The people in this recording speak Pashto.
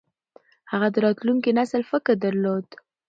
هغه د راتلونکي نسل فکر درلود.